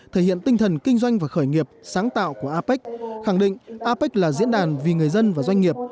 thể hiện tinh thần kinh doanh và khởi nghiệp sáng tạo của apec khẳng định apec là diễn đàn vì người dân và doanh nghiệp